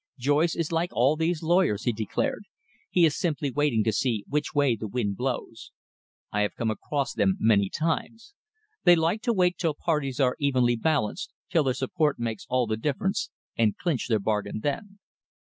"Joyce is like all these lawyers," he declared. "He is simply waiting to see which way the wind blows. I have come across them many times. They like to wait till parties are evenly balanced, till their support makes all the difference, and clinch their bargain then."